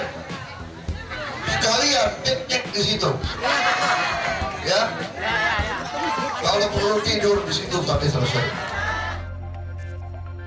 kalau perlu tidur di situ tapi selesai